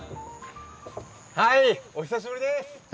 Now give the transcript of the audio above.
お久しぶりです。